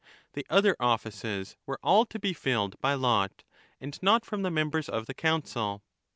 The other offices were all to be filled by lot, and not from the members of the Council.